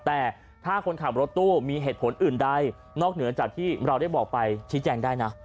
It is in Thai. แต่ถ้าคนขับรถตู้มีเหตุผลอื่นใดนอกเหนือจากที่เราได้บอกไปชี้แจงได้นะ